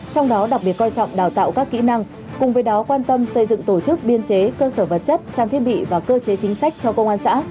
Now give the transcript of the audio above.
trong đó đặc biệt coi trọng đào tạo các kỹ năng cùng với đó quan tâm xây dựng tổ chức biên chế cơ sở vật chất trang thiết bị và cơ chế chính sách cho công an xã